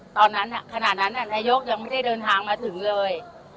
ตอนนั้นน่ะขนาดนั้นน่ะนายโยคยังไม่ได้เดินทางมาถึงเลย